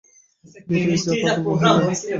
বেরিয়ে যা, পাগল মহিলা।